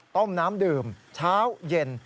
ต้มน้ำดื่มเช้าเย็น